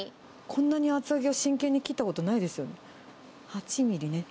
こんなに厚揚げを真剣に切ったことないですよ。